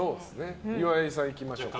岩井さん、いきましょうか。